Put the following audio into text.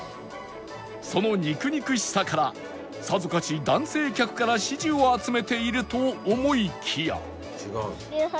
その肉肉しさからさぞかし男性客から支持を集めていると思いきや